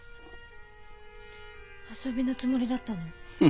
遊びのつもりだったの？